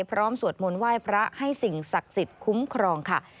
สวดมนต์ไหว้พระให้สิ่งศักดิ์สิทธิ์คุ้มครองค่ะ